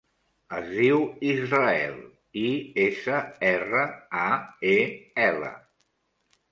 Es diu Israel: i, essa, erra, a, e, ela.